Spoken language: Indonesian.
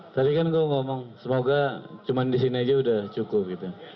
tadi kan gue ngomong semoga cuma di sini aja udah cukup gitu